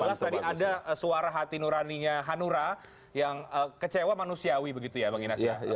jelas tadi ada suara hati nuraninya hanura yang kecewa manusiawi begitu ya bang inas ya